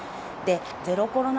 ゼロコロナ